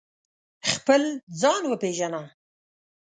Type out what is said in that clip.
خپل ځان و پېژنه